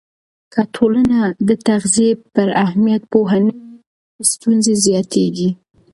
که ټولنه د تغذیې پر اهمیت پوهه نه وي، ستونزې زیاتېږي.